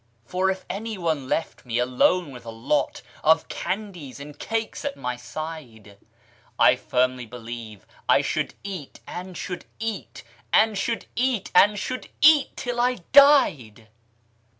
For if any one left me alone with a lot Of candies and cakes at my side, I firmly believe I should eat, and should eat, And should eat, and should eat, till I died.